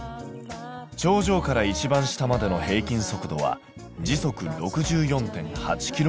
頂上から一番下までの平均速度は時速６４．８ｋｍ。